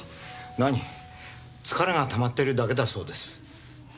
何疲れが溜まってるだけだそうです。